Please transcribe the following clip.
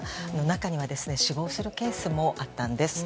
中には死亡するケースもあったんです。